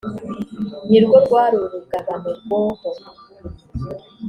nirwo rwari urugabano rwoho.